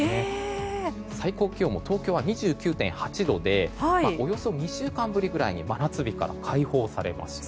最高気温も東京は２９．８度でおよそ２週間ぶりぐらいに真夏日から解放されました。